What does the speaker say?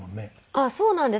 ああーそうなんです。